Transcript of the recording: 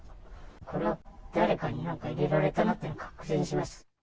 これは誰かになんか入れられたなって確信しました。